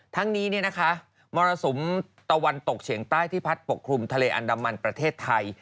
ทั้งนี้มรสุมตะวันตกเฉียงใต้ที่พัดปกคลุมทะเลอันดามันประเทศไทย